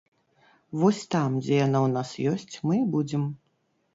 Вось там, дзе яна ў нас ёсць, мы і будзем.